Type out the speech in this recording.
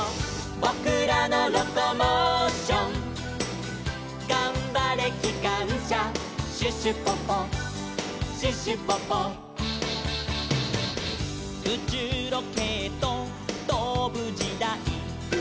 「ぼくらのロコモーション」「がんばれきかんしゃ」「シュシュポポシュシュポポ」「うちゅうロケットとぶじだい」